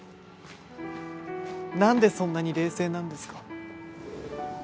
なんでそんなに冷静なんですか？